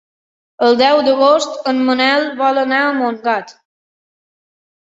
El deu d'agost en Manel vol anar a Montgat.